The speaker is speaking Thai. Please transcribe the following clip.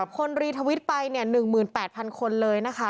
คนรีทวิตไปเนี่ย๑๘๐๐๐คนเลยนะคะ